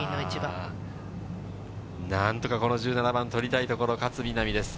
なんとかこの１７番取りたいところ、勝みなみです。